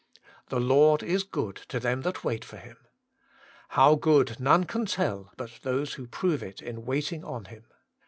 *The Lord is good to them that wait for Him.' How good none can tell but those who prove it in waiting on Him.